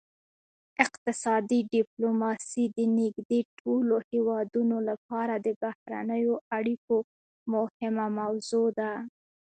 اقتصادي ډیپلوماسي د نږدې ټولو هیوادونو لپاره د بهرنیو اړیکو مهمه موضوع ده